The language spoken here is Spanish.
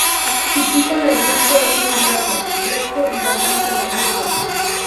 Su pico negruzco es muy largo, recto y bastante robusto.